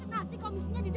nanti komisinya dideteksi